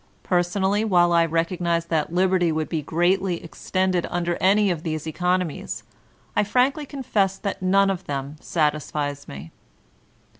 Personally, while I recognize that liberty would be greatly extended under any of these economies, I frankly confess that none of them satisfies me.